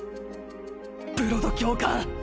ブロド教官